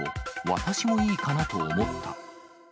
私もいいかなと思った。